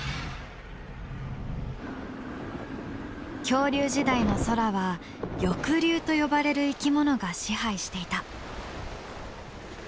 恐竜時代の空は翼竜と呼ばれる生き物が支配していた。